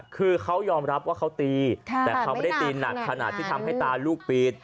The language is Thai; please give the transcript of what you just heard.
คือเขายอมรับว่าเขาตีแต่เขาไม่ได้ตีหนักขนาดที่ทำให้ตาลูกปีด